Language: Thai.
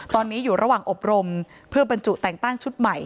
ตอนนี้อยู่ระหว่างอบรมเพื่อบรรจุแต่งตั้งชุดใหม่